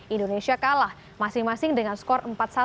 indonesia kalah masing masing dengan skor empat satu